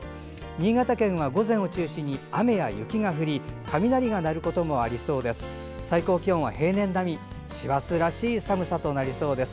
新潟県は午前を中心に雨や雪が降り雷が鳴ることもありそうです。